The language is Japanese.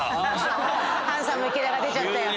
ハンサム池田が出ちゃったよ。